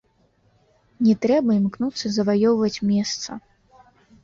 Не трэба імкнуцца заваёўваць месца.